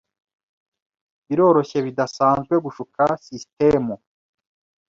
Biroroshye bidasanzwe gushuka sisitemu.